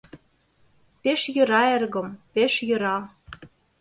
— Пеш йӧра, эргым, пеш йӧра.